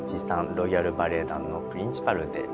ロイヤル・バレエ団のプリンシパルです。